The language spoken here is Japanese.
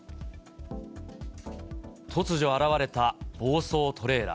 突如現れた、暴走トレーラー。